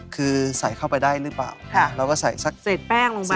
คือใส่เข้าไปได้หรือเปล่าเราก็ใส่สักเศษแป้งลงไป